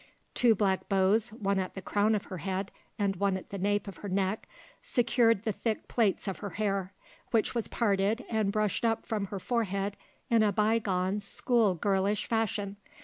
Two black bows, one at the crown of her head and one at the nape of her neck, secured the thick plaits of her hair, which was parted and brushed up from her forehead in a bygone school girlish fashion.